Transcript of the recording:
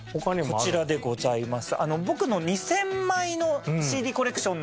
こちらでございます。